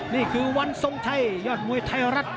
นี่คือวันทรงไทยยอดมวยไทยรัฐ